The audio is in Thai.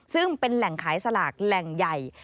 ซึ่งเป็นแหล่งขายสลากแหล่งใหญ่